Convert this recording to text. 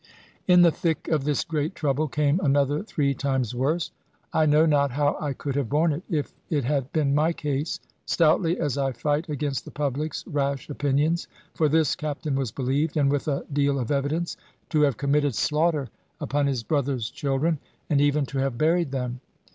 In the thick of this great trouble came another three times worse. I know not how I could have borne it, if it had been my case, stoutly as I fight against the public's rash opinions. For this Captain was believed, and with a deal of evidence, to have committed slaughter upon his brother's children, and even to have buried them.